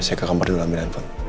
saya ke kamar dulu ambil handphone